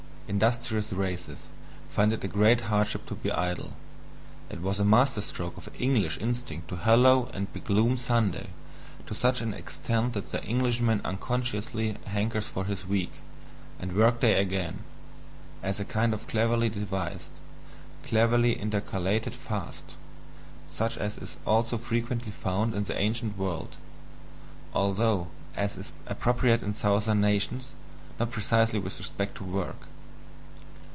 Industrious races find it a great hardship to be idle: it was a master stroke of ENGLISH instinct to hallow and begloom Sunday to such an extent that the Englishman unconsciously hankers for his week and work day again: as a kind of cleverly devised, cleverly intercalated FAST, such as is also frequently found in the ancient world (although, as is appropriate in southern nations, not precisely with respect to work).